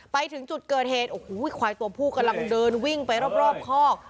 ไปถึงจุดเกิดเหตุโอ้โหควายตัวผู้กำลังเดินวิ่งไปรอบคอก